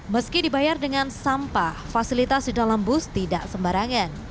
meski dibayar dengan sampah fasilitas di dalam bus tidak sembarangan